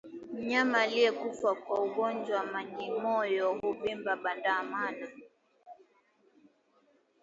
Mnyama aliyekufa kwa ugonjwa wa majimoyo huvimba bandama